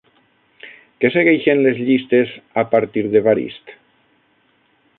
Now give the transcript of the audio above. Què segueixen les llistes a partir d'Evarist?